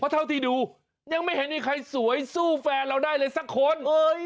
เท่าที่ดูยังไม่เห็นมีใครสวยสู้แฟนเราได้เลยสักคน